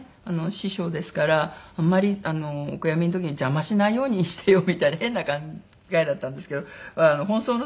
師匠ですからあんまりお悔やみの時に邪魔しないようにしてようみたいな変な考えだったんですけど本葬の時にね